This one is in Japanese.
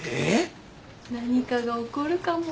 何かが起こるかも。